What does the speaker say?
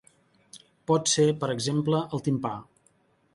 Pot ser, per exemple, el timpà.